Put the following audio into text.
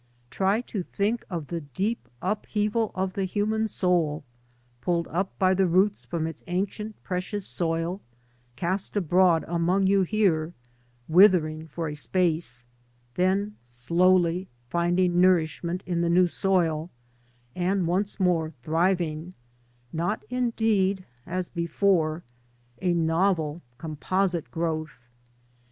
Try to think of the deep upheaval of the human soul, pidled up by the roots from its ancient, precious soil, cast abroad among you here, withering for a space, then slowly finding nourishment in the new soil, and once more thriving — not, indeed, as before — ^a novel, composite growth.